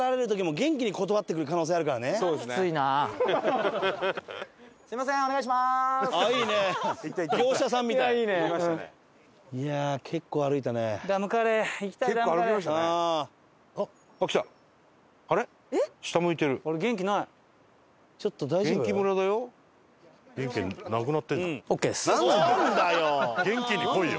元気に来いよ。